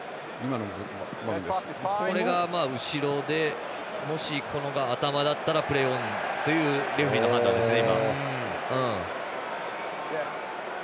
後ろで、もし頭だったらプレーオンというレフリーの判断ですね。